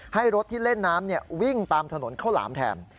ให้รถที่เล่นน้ำวิ่งตามถนนข้าวหลามแทน